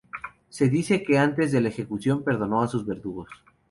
Se dice que antes de la ejecución perdonó a sus verdugos.